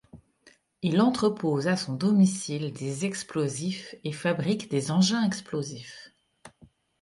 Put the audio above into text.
Il entrepose à son domicile des explosifs et fabrique des engins explosifs.